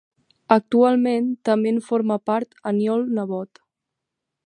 Actualment també en forma part Aniol Nebot.